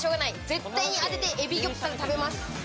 絶対に当ててエビギョプサル食べます。